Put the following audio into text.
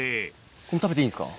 これ、食べていいんですか。